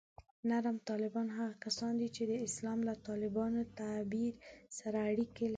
نرم طالبان هغه کسان دي چې د اسلام له طالباني تعبیر سره اړیکې لري